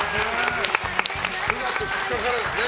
９月２日からですね。